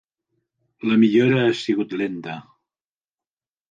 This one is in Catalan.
La millora ha sigut lenta.